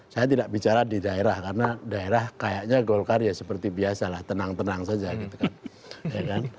saya tidak bicara di daerah karena daerah kayaknya golkar ya seperti biasa lah tenang tenang saja gitu kan